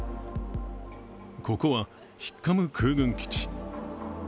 ここはヒッカム空軍基地。